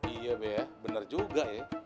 iya be bener juga ya